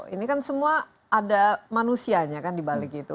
ini kan semua ada manusianya kan dibalik itu